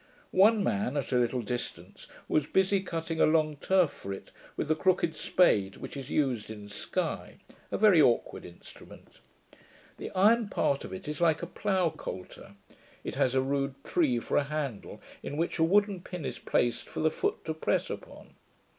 One man, at a little distance, was busy cutting a long turf for it, with the crooked spade which is used in Sky; a very aukward instrument. The iron part of it is like a plough coulter. It has a rude tree for a handle, in which a wooden pin is placed for the foot to press upon.